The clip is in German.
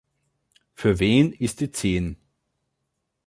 Für wen ist die Zehn?